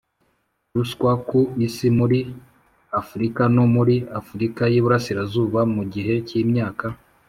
ruswa ku Isi muri Afurika no muri Afurika y Iburasirazuba mu gihe cy imyaka